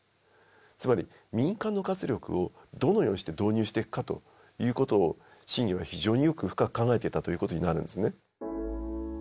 つまり民間の活力をどのようにして導入していくかということを信玄は非常によく深く考えていたということになるんですね。